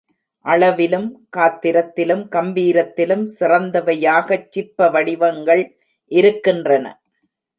அளவிலும் காத்திரத்திலும் கம்பீரத்திலும் சிறந்தவையாகச் சிற்பவடிவங்கள் இருக்கின்றன.